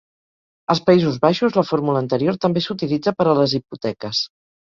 Als Països Baixos, la fórmula anterior també s'utilitza per a les hipoteques.